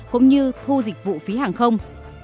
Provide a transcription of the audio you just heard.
cũng như thu dịch vụ phí hàng không